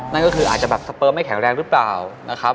นั่นก็คืออาจจะแบบสเปอร์ไม่แข็งแรงหรือเปล่านะครับ